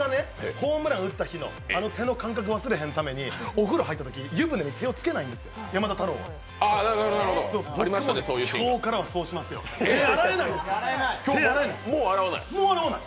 ホームランを打った日あの手の感覚忘れへんためにお風呂に入ったときに湯船に手をつけないんですよ、山田太郎は。今日からはそうしますよ手洗えない。